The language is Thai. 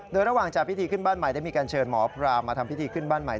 โดยระหว่างจัดพิธีขึ้นบ้านใหม่ได้มีการเชิญหมอพรามมาทำพิธีขึ้นบ้านใหม่